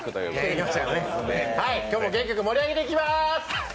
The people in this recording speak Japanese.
今日も元気よく盛り上げていきまーす！